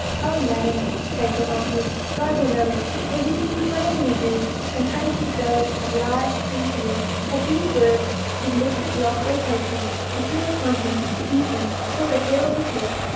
"Oh, madam," Fatal answered, "God will know it; for He sees whatever we do, and punishes those that lie and steal." At these words his mistress lost all patience; she flew npon him, beat him, and tore the hair off his head.